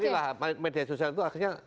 nah ini lah media sosial itu akhirnya